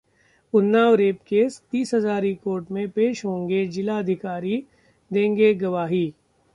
Unnao rape case Tis Hazari court में पेश होंगे जिलाधिकारी, देंगे गवाही